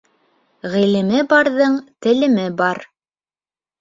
Ғилеме барҙың телеме бар.